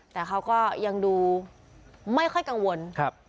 แต่เขาก็ยังดูไม่ค่อยกังวลครับ